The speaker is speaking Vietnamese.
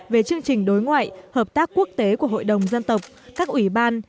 về chương trình đối ngoại hợp tác quốc tế của hội đồng dân tộc các ủy ban